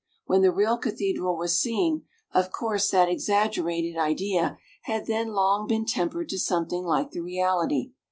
When the real cathedral was seen, of course that exaggerated idea had then long been tempered to something like the reality.